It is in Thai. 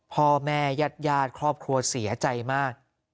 พ่อแม่ยัดยาดครอบครัวเสียใจมาก